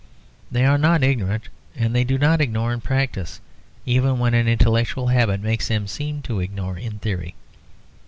They are not ignorant; and they do not ignore in practice; even when an intellectual habit makes them seem to ignore in theory.